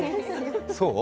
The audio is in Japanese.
そう？